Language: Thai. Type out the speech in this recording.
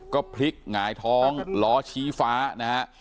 ก็พลิกหงายท้องล้อชี้ฟ้านะฮะ